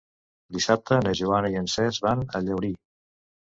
Dissabte na Joana i en Cesc van a Llaurí.